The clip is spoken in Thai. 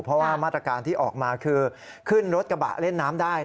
เพราะว่ามาตรการที่ออกมาคือขึ้นรถกระบะเล่นน้ำได้